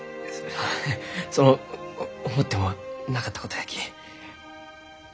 その思ってもなかったことやき。